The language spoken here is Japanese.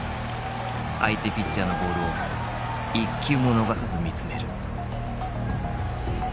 相手ピッチャーのボールを一球も逃さず見つめる。